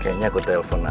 kayanya aku telpon ata